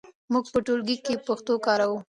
موږ په ټولګي کې پښتو کاروو.